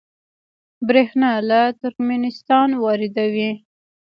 بریښنا له ترکمنستان واردوي